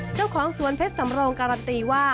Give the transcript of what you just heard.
เจ้าของสวนเพชรสำโรงการันตีว่า